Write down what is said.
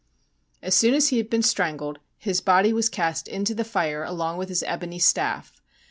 As soon as he had been strangled his body was cast into the fire along with his ebony staff.